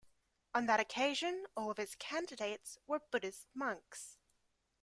On that occasion, all of its candidates were Buddhist monks.